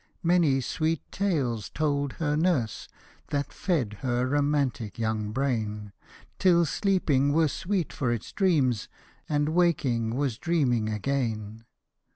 Many sweet tales told her nurse, that fed her romantic young brain,, Till sleeping were sweet for its dreams, and waking was dreaming again.